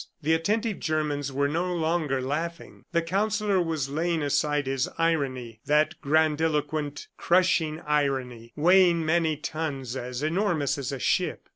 The attentive Germans were no longer laughing. The Counsellor was laying aside his irony, that grandiloquent, crushing irony, weighing many tons, as enormous as a ship.